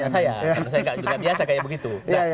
saya juga biasa kayak begitu